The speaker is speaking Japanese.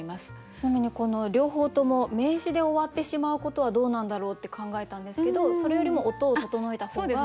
ちなみにこの両方とも名詞で終わってしまうことはどうなんだろうって考えたんですけどそれよりも音を整えた方が？